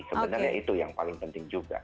sebenarnya itu yang paling penting juga